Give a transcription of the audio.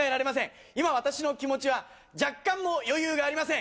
今私の気持ちは若干も余裕がありません。